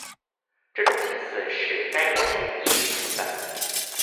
这种近似使该模型易于计算。